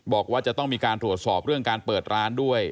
บอกว่าจะต้องมีการตรวจสอบเรื่องการเปิดร้านด้วย